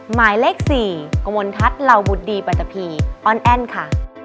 หมายเลข๔กมลทัศน์เหล่าบุตรดีปัตตะพีอ้อนแอ้นค่ะ